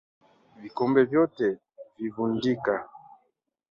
Vikombe vyote vinvundika